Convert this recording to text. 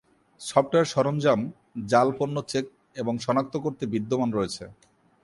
Software সরঞ্জাম জাল পণ্য চেক এবং শনাক্ত করতে বিদ্যমান রয়েছে।